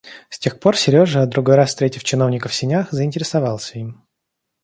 С тех пор Сережа, другой раз встретив чиновника в сенях, заинтересовался им.